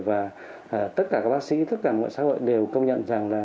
và tất cả các bác sĩ tất cả mọi xã hội đều công nhận rằng là